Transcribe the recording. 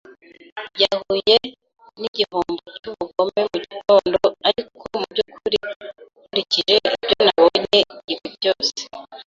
yahuye nigihombo cyubugome mugitondo. Ariko, mubyukuri, nkurikije ibyo nabonye, ibi byose